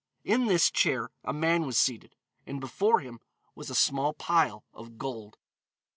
In this chair a man was seated, and before him was a small pile of gold.